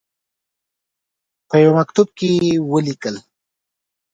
په یوه مکتوب کې ولیکل.